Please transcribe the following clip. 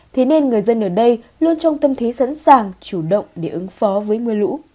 thì nên người dân ở đây luôn trong tâm thế sẵn sàng chủ động để ứng phó với mưa lũ